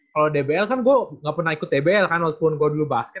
kalau dbl kan gue ga pernah ikut dbl kan walaupun gue dulu basket